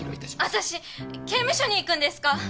私刑務所に行くんですか？